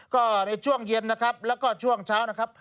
ก็ในช่วงเย็นนะครับแล้วก็ช่วงเช้านะครับ